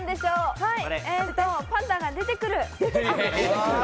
パンダが出てくる。